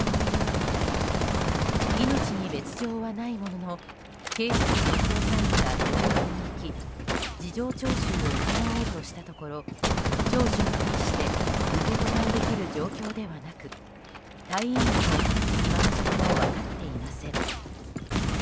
命に別条はないものの警視庁の捜査員が病院に行き事情聴取を行おうとしたところ聴取に対して受け答えできる状況ではなく退院日も今のところ分かっていません。